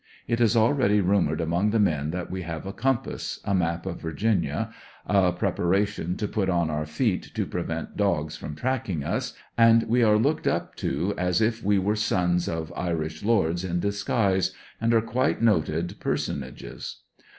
It is already rumored among the men that we have a compass, a map of Virginia, a preparation to put on our feet to prevent dogs from tracking us, and we are looked up to as if we were sons oi Irish lords in disguise, and are quite noted per sonages.